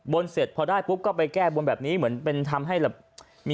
บนนั้นพอได้ก็ไปแก้บลแบบนี้เหมือนเป็นทำให้แบบ